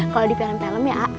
kalau di film film ya